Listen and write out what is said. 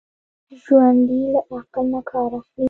ژوندي له عقل نه کار اخلي